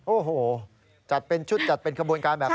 โอ้โหจัดเป็นชุดจัดเป็นขบวนการแบบนี้